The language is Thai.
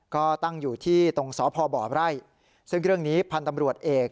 ก็ตั้งอยู่ที่ตรงสพบไร่ซึ่งเรื่องนี้พันธ์ตำรวจเอก